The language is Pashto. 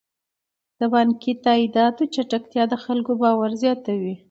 د بانکي تادیاتو چټکتیا د خلکو باور زیاتوي.